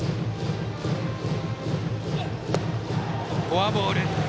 フォアボール。